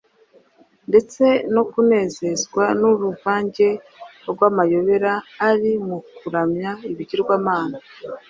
ndetse no kunezezwa n’uruvange rw’amayobera ari mu kuramya ibigirwamana.